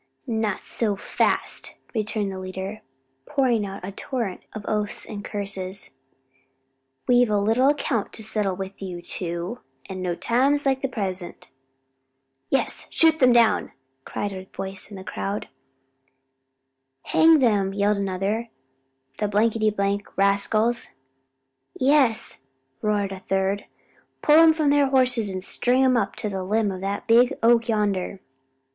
"Not so fast!" returned the leader, pouring out a torrent of oaths and curses; "we've a little account to settle with you two, and no time's like the present." "Yes, shoot 'em down!" cried a voice from the crowd. "Hang 'em!" yelled another, "the rascals!" "Yes," roared a third, "pull 'em from their horses and string 'em up to the limb o' that big oak yonder."